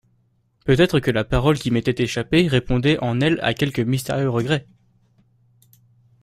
Peut-être que la parole qui m'était échappée répondait en elle à quelque mystérieux regret.